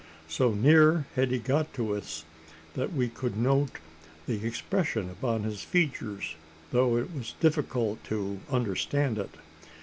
So near had he got to us, that we could note the expression upon his features, though it was difficult to understand it.